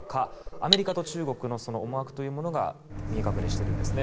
アメリカと中国の思惑が見え隠れしているんですね。